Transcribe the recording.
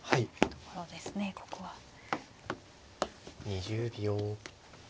２０秒。